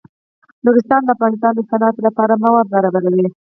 نورستان د افغانستان د صنعت لپاره مواد برابروي.